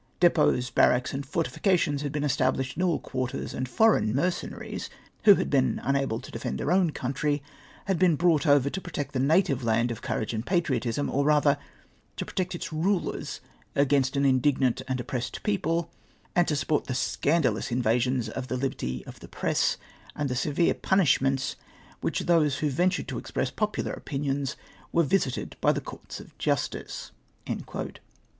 Depots, barracks, and fortifications had been estabhshed in all quarters, and foreign mercenaries, Avho had been miable to defend their own country, had been brought over to protect the native land of courage and patriotism, or rather to protect its rulers against an indignant and oppressed people, and to support the scandalous m vasions of the liberty of the press, and the severe punishments with which those who ventured to express popular opinions were visited by the courts of justice."